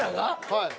はい。